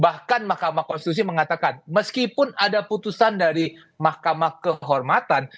bahkan mahkamah konstitusi mengatakan meskipun ada putusan dari mahkamah kehormatan